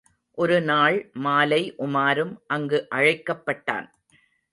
ஒரு நாள் மாலை உமாரும் அங்கு அழைக்கப்பட்டான்.